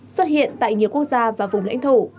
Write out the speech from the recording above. xuất hiện tại nhiều quốc gia và vùng lãnh thổ